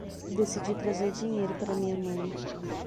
Decidi trazer dinheiro para minha mãe.